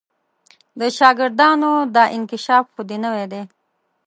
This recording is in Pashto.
د شاګردانو دا انکشاف خو دې نوی دی.